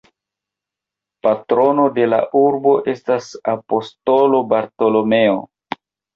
Patrono de la urbo estas Apostolo Bartolomeo.